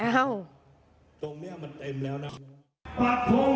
ปรับทรงที่จังหวัดเยาะโทษร